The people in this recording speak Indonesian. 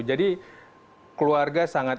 jadi keluarga sangat